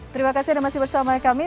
terima kasih anda masih bersama kami